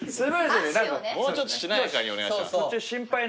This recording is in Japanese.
もうちょっとしなやかにお願いします。